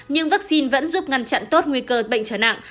nhưng vaccine vẫn giúp ngăn chặn tốt nguy cơ bệnh trở nặng